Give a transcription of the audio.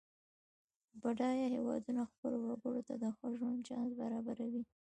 بډایه هېوادونه خپلو وګړو ته د ښه ژوند چانس برابروي.